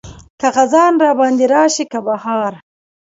که خزان راباندې راشي که بهار.